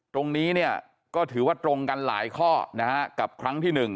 ตรงนี้ก็ถือว่าตรงกันหลายข้อกับครั้งที่หนึ่ง